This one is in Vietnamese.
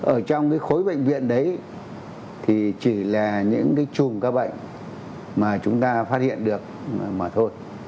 ở trong cái khối bệnh viện đấy thì chỉ là những cái chùm các bệnh mà chúng ta phát hiện được mà thôi